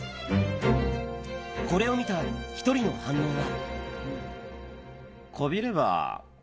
これを見たひとりの反応は。